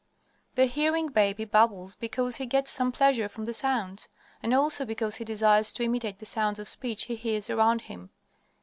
The hearing baby babbles because he gets some pleasure from the sounds, and also because he desires to imitate the sounds of speech he hears around him.